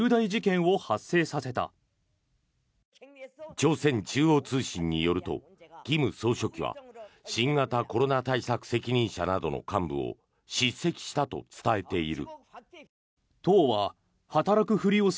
朝鮮中央通信によると金総書記は新型コロナ対策責任者などの幹部を叱責したと伝えている。